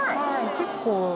結構。